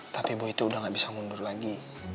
tapi bu itu udah gak bisa mundur lagi